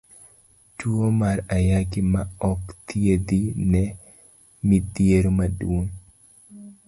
Tuo mar Ayaki ma ok thiedhi en midhiero maduong'.